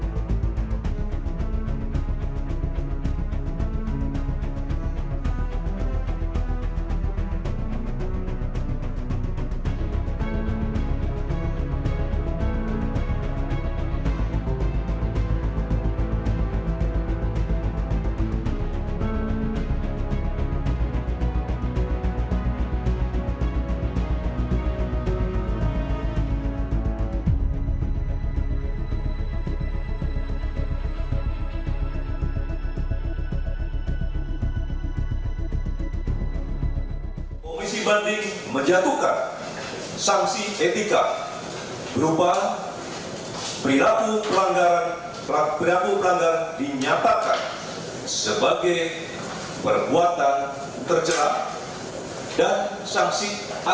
priraku pelanggaran dinyatakan sebagai perbuatan terjahat dan saksi administratif berupa pt dh sebagai anota pori